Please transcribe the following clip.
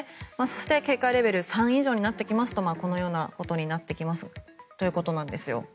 そして、警戒レベル３以上になってきますとこのようなことになってきますということなんですよ。